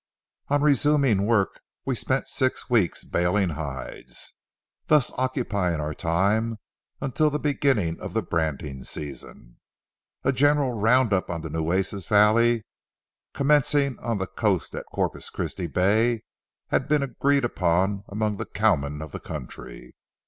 On resuming work, we spent six weeks baling hides, thus occupying our time until the beginning of the branding season. A general round up of the Nueces valley, commencing on the coast at Corpus Christi Bay, had been agreed upon among the cowmen of the country.